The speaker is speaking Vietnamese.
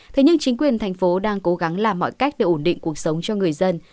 thế nhưng chính quyền thành phố đang cố gắng làm mọi cách để ổn định cuộc sống cho người dân